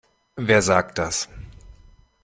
Wer sagt das?